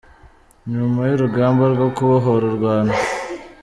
Nyuma y’urugamba rwo kubohora u Rwanda….